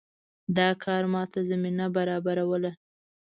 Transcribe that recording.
دا کار ماته زمینه برابروله.